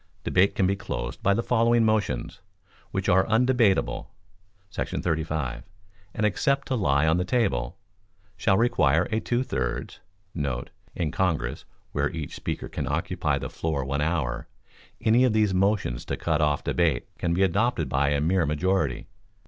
Debate can be closed by the following motions, which are undebatable [§ 35], and, except to Lie on the Table, shall require a two thirds* [In Congress, where each speaker can occupy the floor one hour, any of these motions to cut off debate can be adopted by a mere majority.